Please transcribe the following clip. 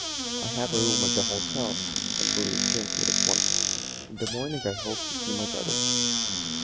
I have a room at the hotel and will return to it at once. In the morning I hope to see my brother."